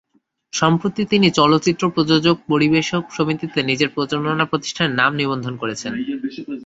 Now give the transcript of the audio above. সম্প্রতি তিনি চলচ্চিত্র প্রযোজক-পরিবেশক সমিতিতে নিজের প্রযোজনা প্রতিষ্ঠানের নাম নিবন্ধন করেছেন।